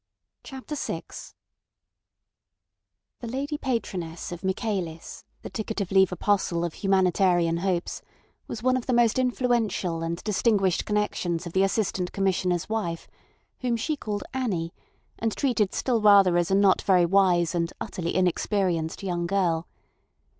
CHAPTER VI The lady patroness of Michaelis, the ticket of leave apostle of humanitarian hopes, was one of the most influential and distinguished connections of the Assistant Commissioner's wife, whom she called Annie, and treated still rather as a not very wise and utterly inexperienced young girl.